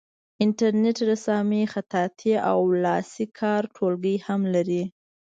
انټرنیټ رسامي خطاطي او لاسي کار ټولګي هم لري.